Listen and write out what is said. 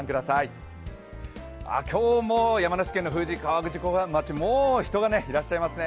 今日も山梨県の富士河口湖町もう人がいらっしゃいますね。